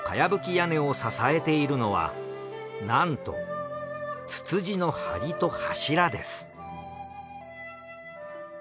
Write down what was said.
屋根を支えているのはなんとツツジの梁と柱です。